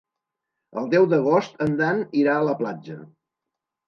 El deu d'agost en Dan irà a la platja.